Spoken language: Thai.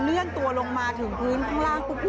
เลื่อนตัวลงมาถึงพื้นข้างล่างปุ๊บ